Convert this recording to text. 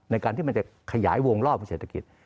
ในการที่มันจะขยายวงรอบเศรษฐกิจ